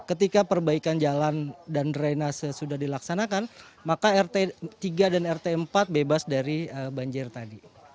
ketika perbaikan jalan dan drenase sudah dilaksanakan maka rt tiga dan rt empat bebas dari banjir tadi